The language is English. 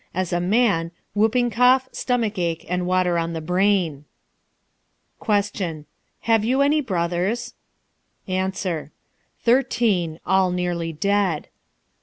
As a man, whooping cough, stomach ache, and water on the brain. Q. Have you any brothers? A. Thirteen; all nearly dead.